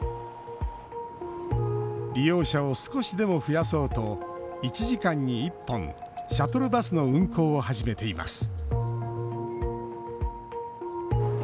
利用者を少しでも増やそうと１時間に１本シャトルバスの運行を始めています